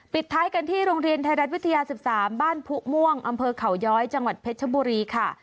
ท้ายกันที่โรงเรียนไทยรัฐวิทยา๑๓บ้านผู้ม่วงอำเภอเขาย้อยจังหวัดเพชรบุรีค่ะ